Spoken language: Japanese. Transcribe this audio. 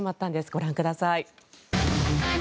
ご覧ください。